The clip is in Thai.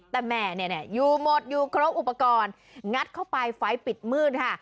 แต่แหม่อยู่หมดอยู่ครบอุปกรณ์งัดเข้าไปไฟล์ปิดมืดค่ะ